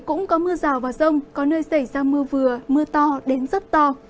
cũng có mưa rào và rông có nơi xảy ra mưa vừa mưa to đến rất to